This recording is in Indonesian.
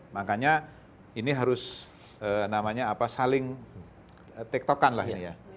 makanya ini harus saling tek tokan lah ini ya